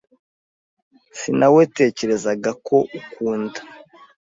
Sinawetekerezaga ko ukunda .